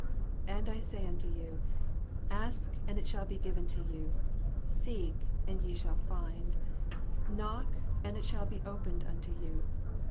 And I say unto you. Ask, and it shall be given you : seek, and ye shall find : knock, and it shall be opened unto you.